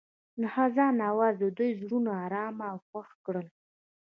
د خزان اواز د دوی زړونه ارامه او خوښ کړل.